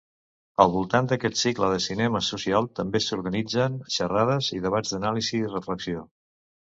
Al voltant d'aquest cicle de cinema social també s'organitzen xerrades i debats d'anàlisi i reflexió.